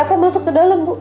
kalo eva masuk kedalam ma